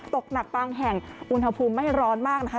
ตกหนักบางแห่งอุณหภูมิไม่ร้อนมากนะคะ